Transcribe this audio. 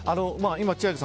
千秋さん